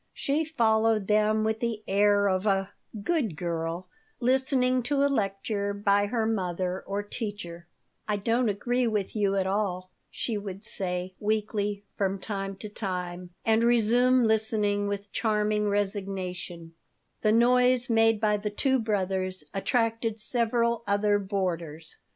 She followed them with the air of a "good girl "listening to a lecture by her mother or teacher "I don't agree with you at all," she would say, weakly, from time to time, and resume listening with charming resignation The noise made by the two brothers attracted several other boarders.